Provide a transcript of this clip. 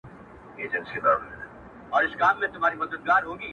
ياد مي دي تا چي شنه سهار كي ويل،